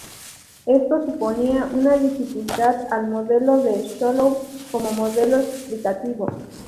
Esto suponía una dificultad al modelo de Solow como modelo explicativo.